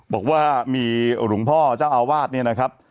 บอกว่ามีหลวงพ่อเจ้าอาวาสเนี่ยนะครับ